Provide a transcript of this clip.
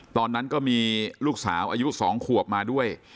ตอนนั้นก็มีลูกสาวอายุ๒ขวบมาด้วย